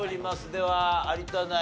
では有田ナイン。